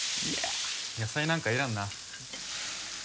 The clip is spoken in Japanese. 野菜なんかいらんな